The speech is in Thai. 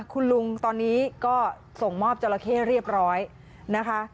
คุณลุงตอนนี้ก็ส่งมอบจราเข้เรียบร้อยนะคะ